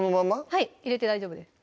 はい入れて大丈夫です